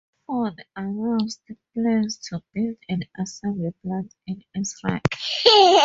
Ford announced plans to build an assembly plant in Israel.